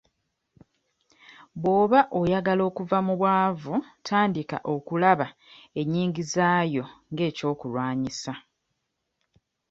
Bw'oba oyagala okuva mu bwavu tandika okulaba ennyingizaayo nga eky'okulwanisa.